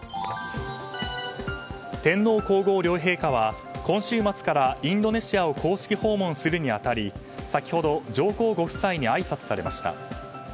天皇・皇后両陛下は今週末からインドネシアを公式訪問するに当たり先ほど、上皇ご夫妻にあいさつされました。